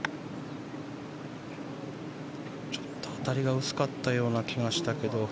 当たりが薄かったような気がしたけど。